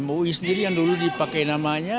mui sendiri yang dulu dipakai namanya